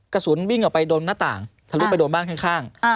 กระสุนวิ่งออกไปโดนหน้าต่างทะลุไปโดนบ้านข้าง